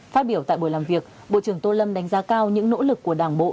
phát biểu tại buổi làm việc bộ trưởng tô lâm đánh giá cao những nỗ lực của đảng bộ